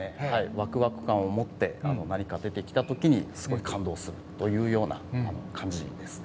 わくわく感を持って、何か出てきたときに、すごい感動するというような感じですね。